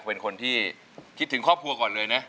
เป็นคนที่คิดถึงครอบครัวก่อนเลยนะ